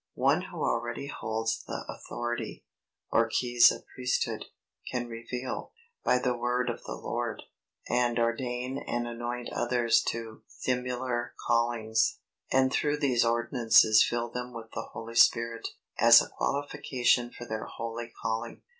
One who already holds the authority, or keys of Priesthood, can reveal, by the word of the Lord, and ordain and anoint others to similar callings, and through these ordinances fill them with the Holy Spirit, as a qualification for their holy calling.